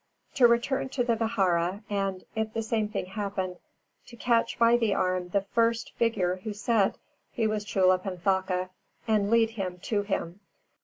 To return to the vihāra and, if the same thing happened, to catch by the arm the first figure who said he was Chullapanthaka and lead him to him.